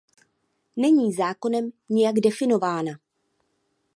Není zákonem nijak definována.